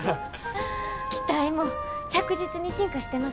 機体も着実に進化してますね。